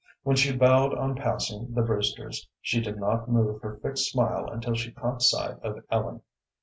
When she bowed on passing the Brewsters, she did not move her fixed smile until she caught sight of Ellen.